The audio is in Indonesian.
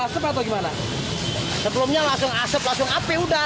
sebelumnya langsung asep langsung api udah